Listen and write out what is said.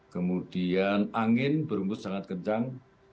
kemudian angin berembus sangat kencang